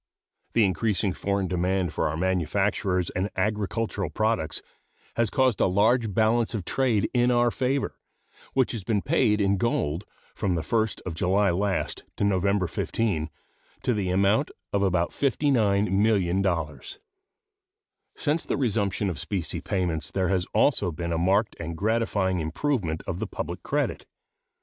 The increasing foreign demand for our manufactures and agricultural products has caused a large balance of trade in our favor, which has been paid in gold, from the 1st of July last to November 15, to the amount of about $59,000,000. Since the resumption of specie payments there has also been a marked and gratifying improvement of the public credit.